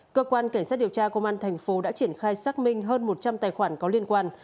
cơ quan cảnh sát điều tra công an thành phố đã triển khai xác minh hơn một trăm linh tài khoản có liên quan